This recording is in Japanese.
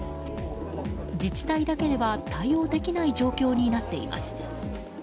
自治体だけでは対応できない状況になっています。